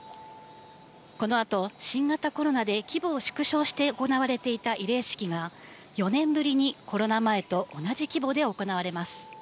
このあと、新型コロナで規模を縮小して行われていた慰霊式が、４年ぶりにコロナ前と同じ規模で行われます。